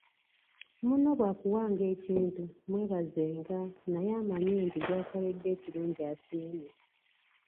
Munno bw’akuwanga ekintu mwebazenga naye amanye nti gw’akoledde ekirungi asiimye.